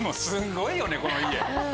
すごいよねこの家。